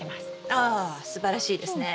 ああすばらしいですね。